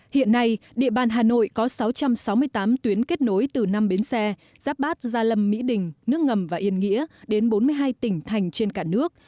hiện nay địa bàn hà nội có sáu trăm sáu mươi tám tuyến kết nối từ năm bến xe giáp bát gia lâm mỹ đình nước ngầm và yên nghĩa đến bốn mươi hai tỉnh thành trên cả nước